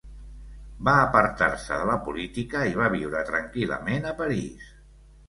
Va apartar-se de la política i va viure tranquil·lament a París.